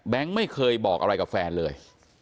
ไม่เคยบอกอะไรกับแฟนเลย